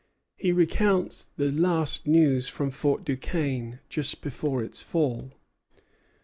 He recounts the last news from Fort Duquesne, just before its fall.